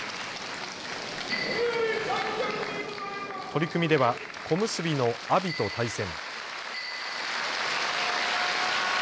取組では小結の阿炎と対戦。